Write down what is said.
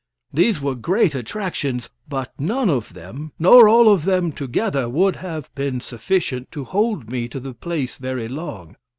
These were great attractions; but none of them, nor all of them together, would have been sufficient to hold me to the place very long.